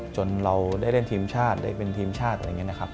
จนเราได้เล่นทีมชาติได้เป็นทีมชาติอะไรอย่างนี้นะครับ